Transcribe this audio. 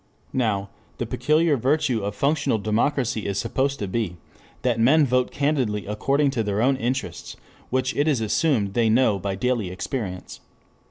Now the peculiar virtue of functional democracy is supposed to be that men vote candidly according to their own interests, which it is assumed they know by daily experience.